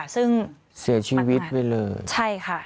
ซึ่งเสียชีวิตไปเลยใช่ค่ะ